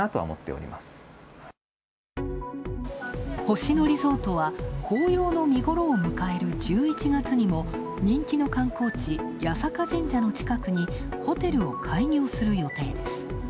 星野リゾートは紅葉の見頃を迎える１１月にも人気の観光地、八坂神社の近くにホテルを開業する予定です。